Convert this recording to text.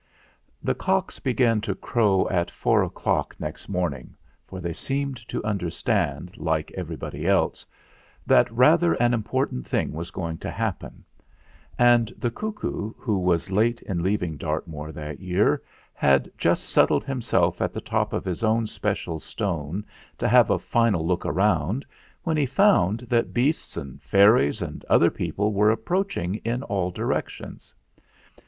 The cocks began to crow at four o'clock next morning, for they seemed to understand, like everybody else, that rather an important thing was going to happen; and the cuckoo, who was late in leaving Dartmoor that year, had just settled himself at the top of his own special stone, to have a final look round, when he found that beasts and fairies and other people were approaching in all directions.